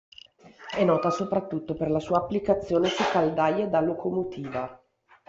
È nota soprattutto per la sua applicazione su caldaie da locomotiva.